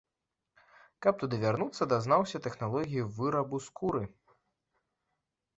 Каб туды вярнуцца, дазнаўся тэхналогію вырабу скуры.